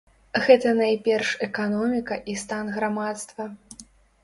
Гэта найперш эканоміка і стан грамадства.